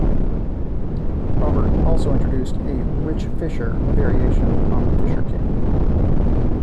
Robert also introduced a "Rich Fisher" variation on the Fisher King.